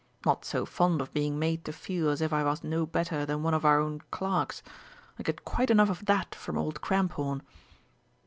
Not so fond of being made to feel as if I was no better than one of our own clerks. I get quite enough of that from old Cramphorn!"